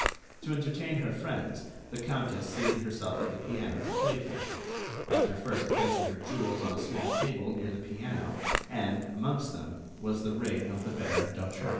To entertain her friends, the countess seated herself at the piano to play for them, after first placing her jewels on a small table near the piano, and, amongst them, was the ring of the Baron d'Hautrec.